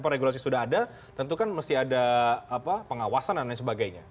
regulasi sudah ada tentu kan mesti ada pengawasan dan lain sebagainya